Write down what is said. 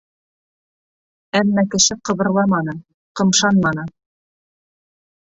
Әммә кеше ҡыбырламаны, ҡымшанманы.